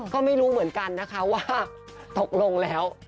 ก็ไม่รู้เหมือนกันนะคะว่าตกลงแล้ว